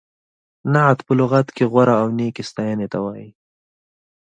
نعت په لغت کې غوره او نېکې ستایینې ته وایي.